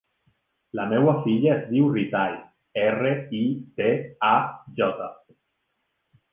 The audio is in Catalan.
La meva filla es diu Ritaj: erra, i, te, a, jota.